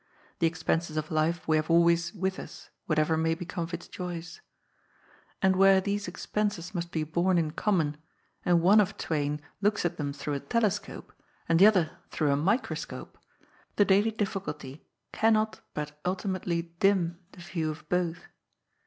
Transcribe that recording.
The expenses of life we have always with us, whateyer may become of its joys. And where these expenses must be borne in common, and one of twain looks at them through a telescope and the other through a microscope, the daily difficulty cannot but ultimately dim the view of both.